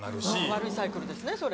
悪いサイクルですねそれ。